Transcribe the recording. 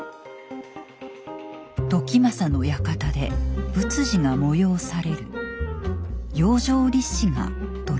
「時政の館で仏事が催される」。